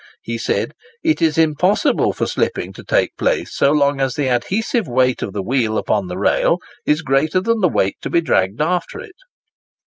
He said, "It is impossible for slipping to take place so long as the adhesive weight of the wheel upon the rail is greater than the weight to be dragged after it."